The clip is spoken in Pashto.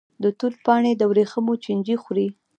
د توت پاڼې د وریښمو چینجی خوري.